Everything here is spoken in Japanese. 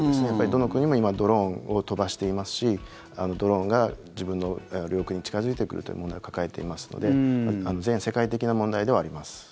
どの国も今ドローンを飛ばしていますしドローンが自分の領空に近付いてくるという問題を抱えていますので全世界的な問題ではあります。